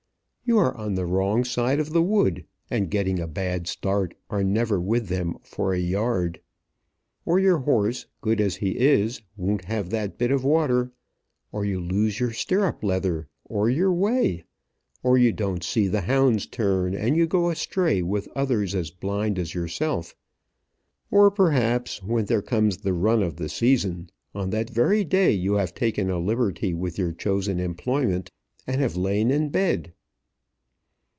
You are on the wrong side of the wood, and getting a bad start are never with them for a yard; or your horse, good as he is, won't have that bit of water; or you lose your stirrup leather, or your way; or you don't see the hounds turn, and you go astray with others as blind as yourself; or, perhaps, when there comes the run of the season, on that very day you have taken a liberty with your chosen employment, and have lain in bed.